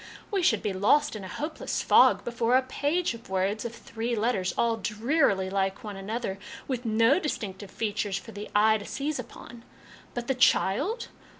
We should be lost in a hopeless fog before a page of words of three letters, all drearily like one another, with no distinctive features for the eye to seize upon ; but the child